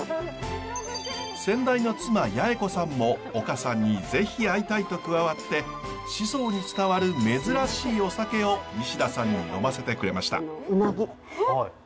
先代の妻彌榮子さんも丘さんに是非会いたいと加わって宍粟に伝わる珍しいお酒を西田さんに飲ませてくれました。